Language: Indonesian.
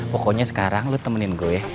pokoknya sekarang lo temenin gue ya